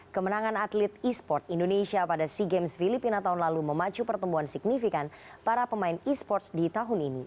kemenangan atlet esports indonesia pada sea games filipina tahun lalu memacu pertumbuhan signifikan para pemain esports di tahun ini